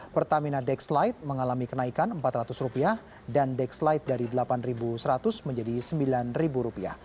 pertamina dex light mengalami kenaikan rp empat ratus dan dex light dari rp delapan seratus menjadi rp sembilan